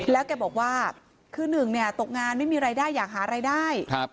แล้วแกบอกว่าคือหนึ่งเนี่ยตกงานไม่มีรายได้อยากหารายได้